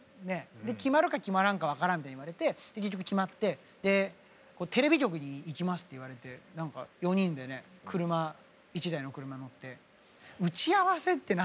決まるか決まらんか分からんって言われて結局決まって「テレビ局に行きます」って言われて４人でね１台の車に乗って「打ち合わせって何だ？」